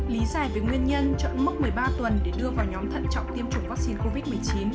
lý giải về nguyên nhân chậm mốc một mươi ba tuần để đưa vào nhóm thận trọng tiêm chủng vaccine covid một mươi chín